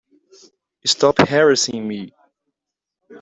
Stop harassing me!